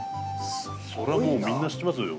そりゃもうみんな知ってますよ。